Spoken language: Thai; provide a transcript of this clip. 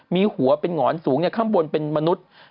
มีหัวเป็นหอนสูงข้างบนเป็นมนุษย์